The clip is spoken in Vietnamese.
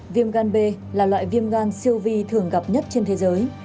viêm gan b là loại viêm gan siêu vi thường gặp nhất trên thế giới